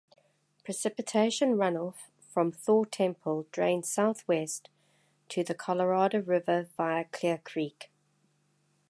Precipitation runoff from Thor Temple drains southwest to the Colorado River via Clear Creek.